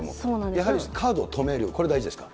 やはりカードを止める、これ大事ですか。